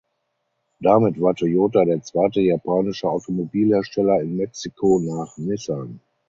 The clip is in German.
Damit war Toyota der zweite japanische Automobilhersteller in Mexiko nach Nissan.